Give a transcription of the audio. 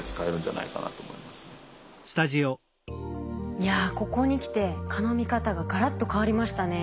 いやここに来て蚊の見方ががらっと変わりましたね。